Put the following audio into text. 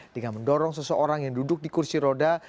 dengan mendorong seseorang yang duduk di kursi roda